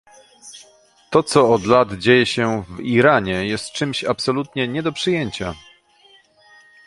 To, co od lat dzieje się w Iranie, jest czymś absolutnie nie do przyjęcia